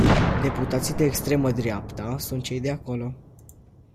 Deputații de extremă dreapta sunt cei de acolo.